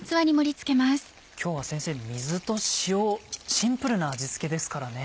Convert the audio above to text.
今日は先生水と塩シンプルな味付けですからね。